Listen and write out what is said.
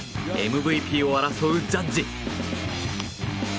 ＭＶＰを争うジャッジ。